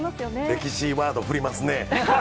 歴史ワード振りますね。